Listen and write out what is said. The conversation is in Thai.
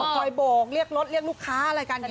คอยโบกเรียกรถเรียกลูกค้าอะไรกัน